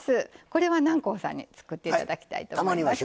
これは南光さんに作っていただきたいと思います。